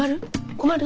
困る？